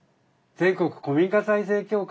全国古民家再生協会。